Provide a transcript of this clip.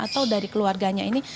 atau dari keluarganya ini